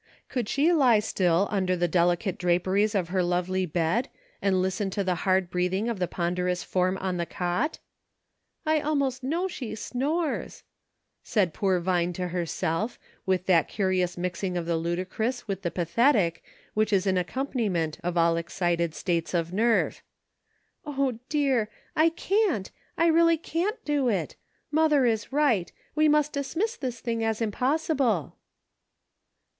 Could she lie still under the delicate draperies of her lovely bed, and listen to the hard breathing of the ponder ous form on the cot ?" I almost know she snores," said poor Vine to herself, with that curious mixing of the ludicrous with the pathetic, which is an • accompaniment of all excited states of nerve. " O dear ! I can't, I really can't do it ; mother is right ; we must dismiss this thing as impossible."